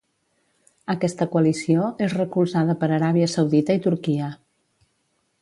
Aquesta coalició és recolzada per Aràbia Saudita i Turquia.